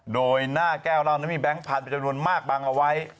โดยหน้าแก้วเหล้านั้นมีแบงค์พันธุ์จำนวนมากบังเอาไว้